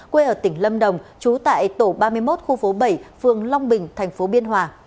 quê ở tỉnh lâm đồng trú tại tổ ba mươi một khu phố bảy phường long bình thành phố biên hòa